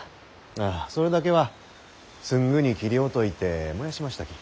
ああそれだけはすぐに切り落といて燃やしましたき。